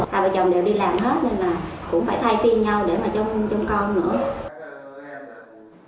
hai bà chồng đều đi làm hết nên là cũng phải thay phim nhau để mà trông con nữa